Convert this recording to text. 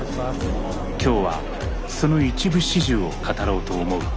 今日はその一部始終を語ろうと思う。